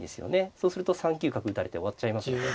そうすると３九角打たれて終わっちゃいますので。